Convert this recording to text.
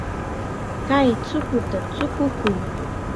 Kay chukuta chukukuy.